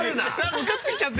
むかついちゃって。